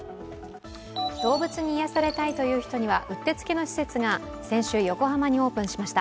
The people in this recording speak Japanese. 動物に癒やされたいという人には、うってつけの施設が先週、横浜にオープンしました。